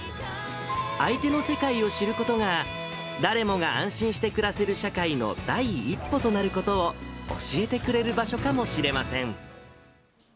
相手の世界を知ることが、誰もが安心して暮らせる社会の第一歩となることを、教えてくれる場所かもしれません。